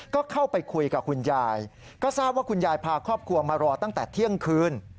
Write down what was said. ก็เข้าไปคุยกับคุณยายก็ทราบว่าคุณยายพาครอบครัวมารอตั้งแต่เที่ยงคืน